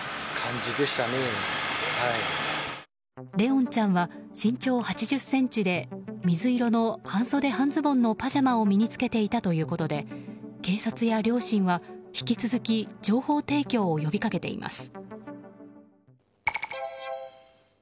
怜音ちゃんは身長８０ｃｍで水色の半袖半ズボンのパジャマを身に着けていたということで警察や両親は引き続き情報提供を呼び掛けています。